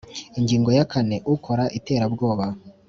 Ingingo ya kane Ukora iterabwoba